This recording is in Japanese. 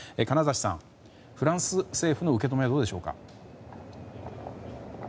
金指さん、フランス政府の受け止めはどうでしょうか？